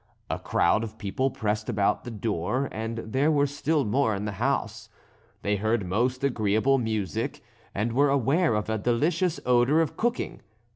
A crowd of people pressed about the door, and there were still more in the house. They heard most agreeable music, and were aware of a delicious odour of cooking.